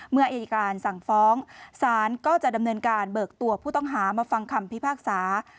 เมื่ออายการสั่งฟ้องศาลก็จะดำเนินการเบิกตัวผู้ต้องหามาฟังคำพิพากษา